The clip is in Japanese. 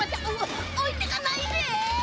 置いていかないで！